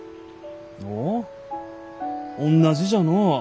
おおおんなじじゃのう。